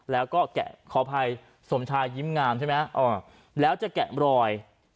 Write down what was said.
แล้วก็แกะขออภัยสมชายยิ้มงามใช่ไหมแล้วจะแกะรอย